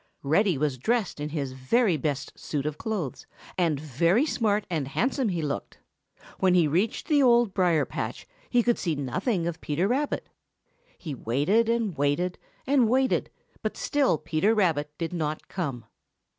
Reddy was dressed in his very best suit of clothes, and very smart and handsome he looked. When he reached the Old Briar patch he could see nothing of Peter Rabbit. He waited and waited and waited, but still Peter Rabbit did not come.